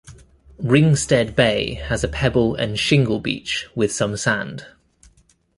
Ringstead Bay has a pebble and shingle beach with some sand.